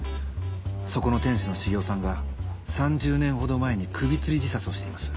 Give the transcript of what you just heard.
そこの店主の茂夫さんが３０年ほど前に首つり自殺をしています。